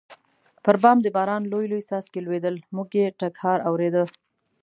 پر بام د باران لوی لوی څاڅکي لوېدل، موږ یې ټکهار اورېده.